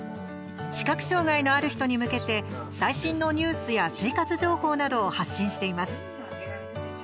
視覚障害のある人に向けて最新のニュースや生活情報などを発信しています。